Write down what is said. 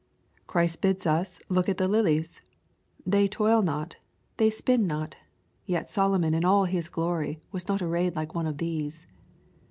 Christ bids us look at the lilies. " They toil not, they «pin not Yet Solomon in all his glory was not arrayed like one of these."